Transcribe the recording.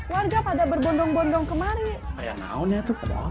wow benar sekali